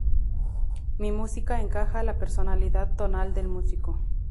Mi música encaja la personalidad tonal del músico.